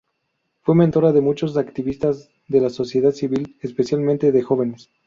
Fue mentora de muchos activistas de la sociedad civil, especialmente de jóvenes.